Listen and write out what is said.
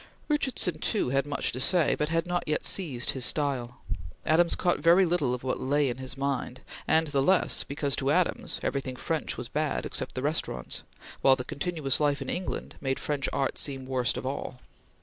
Richardson, too, had much to say, but had not yet seized his style. Adams caught very little of what lay in his mind, and the less, because, to Adams, everything French was bad except the restaurants, while the continuous life in England made French art seem worst of all.